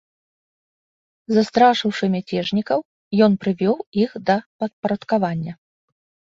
Застрашыўшы мяцежнікаў, ён прывёў іх да падпарадкавання.